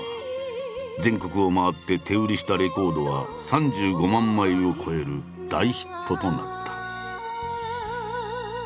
全国を回って手売りしたレコードは３５万枚を超える大ヒットとなった。